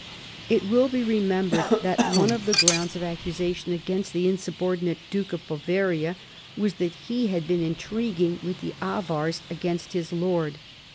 It will be remembered that one of the grounds of accusation against the insubordinate Duke of Bavaria was, that he had been intriguing with the Avars against his lord.